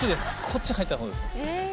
こっち入ったとこです。